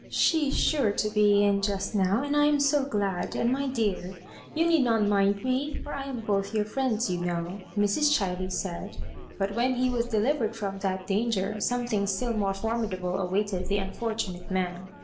''She is sure to be in just now, and I am so glad ; and, my dear, you need not mind me, for I am both your friends, you know," Mrs. Chiley said. But when he was delivered from that danger, something still more formidable awaited the unfortunate man.